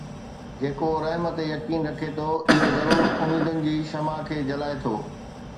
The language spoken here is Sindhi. جيڪو رحم تي يقين رکي ٿو، اهو ضرور اميدن جي شمع کي جلائي ٿو